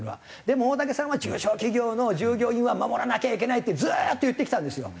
でも大竹さんは中小企業の従業員は守らなきゃいけないってずっと言ってきたんですよ。